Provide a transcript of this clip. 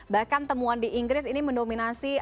bahkan temuan di inggris ini mendominasi